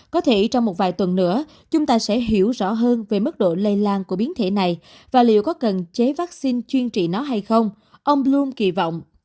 có thể trong một vài tuần nữa chúng ta sẽ hiểu rõ hơn về mức độ lây lan của biến thể này và liệu có cần chế vaccine chuyên trị nó hay không ông luôn kỳ vọng